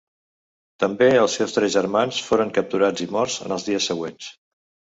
També els seus tres germans foren capturats i morts en els dies següents.